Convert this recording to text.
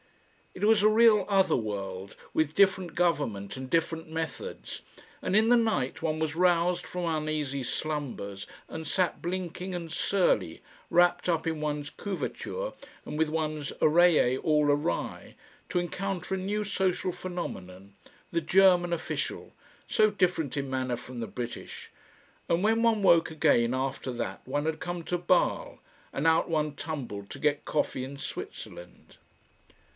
It was a real other world, with different government and different methods, and in the night one was roused from uneasy slumbers and sat blinking and surly, wrapped up in one's couverture and with one's oreiller all awry, to encounter a new social phenomenon, the German official, so different in manner from the British; and when one woke again after that one had come to Bale, and out one tumbled to get coffee in Switzerland....